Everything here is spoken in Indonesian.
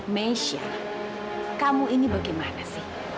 mesha kamu ini bagaimana sih